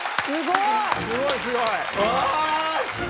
すごい！